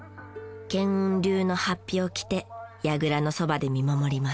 巻雲流の法被を着て櫓のそばで見守ります。